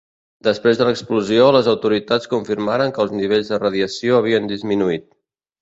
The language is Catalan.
Després de l'explosió les autoritats confirmaren que els nivells de radiació havien disminuït.